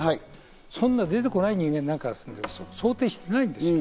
そんな出てこない人間なんか、想定してないんですよ。